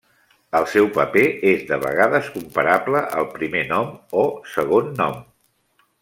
El seu paper és de vegades comparable al primer nom o segon nom.